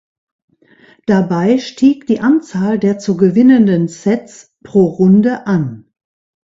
Dabei stieg die Anzahl der zu gewinnenden "sets" pro Runde an.